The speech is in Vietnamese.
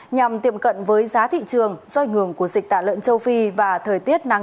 nhằm tiệm cận với giá thị trường do ảnh hưởng của dịch tả lợn châu phi và thời tiết nắng